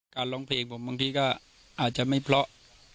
ร้องเพลงผมบางทีก็อาจจะไม่เพราะ